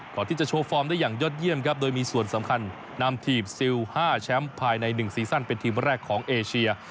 โชว์ฟอร์มได้อย่างยอดเยี่ยมครับโดยมีส่วนสำคัญนำทีมซิล๕แชมป์ภายใน๑ซีซั่นเป็นทีมแรกของเอเชีย